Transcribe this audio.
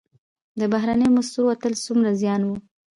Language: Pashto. د بهرنیو موسسو وتل څومره زیان و؟